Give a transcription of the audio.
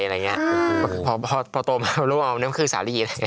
พอโตมารู้อืมตามใจคือซารี